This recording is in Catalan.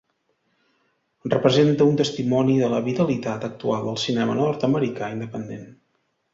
Representa un testimoni de la vitalitat actual del cinema nord-americà independent.